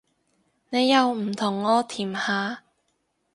你又唔同我甜下